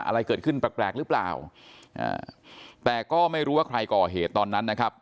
อะไรเกิดขึ้นแปลกแปลกหรือเปล่าอ่าแต่ก็ไม่รู้ว่าใครก่อเหตุตอนนั้นนะครับ